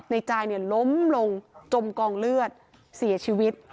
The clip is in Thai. จายล้มลงจมกองเลือดเสียชีวิต